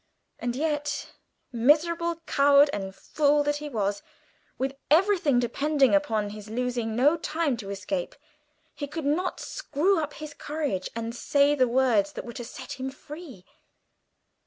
And yet, miserable coward and fool that he was, with everything depending upon his losing no time to escape, he could not screw up his courage, and say the words that were to set him free.